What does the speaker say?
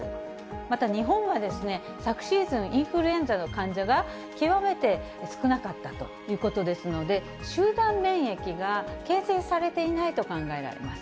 また日本は、昨シーズン、インフルエンザの患者が極めて少なかったということですので、集団免疫が形成されていないと考えられます。